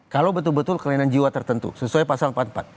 kalau betul betul kelainan jiwa tertentu sesuai pasal empat puluh empat